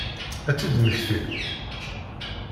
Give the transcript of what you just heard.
Ad tt-id-mmektin?